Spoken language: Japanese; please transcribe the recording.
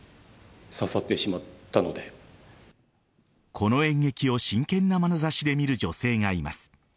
この演劇を真剣なまなざしで見る女性がいます。